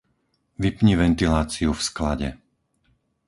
Vypni ventiláciu v sklade.